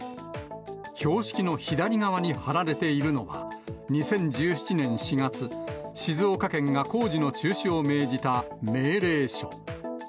標識の左側に貼られているのは、２０１７年４月、静岡県が工事の中止を命じた命令書。